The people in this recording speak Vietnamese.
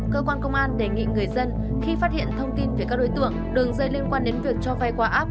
cơ quan công an đề nghị người dân khi phát hiện thông tin về các đối tượng đường dây liên quan đến việc cho vay qua app